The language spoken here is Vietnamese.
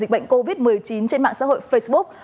dịch bệnh covid một mươi chín trên mạng xã hội facebook